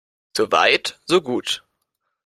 So weit, so gut.